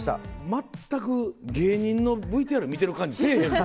全く芸人のＶＴＲ見てる感じせぇへんもん。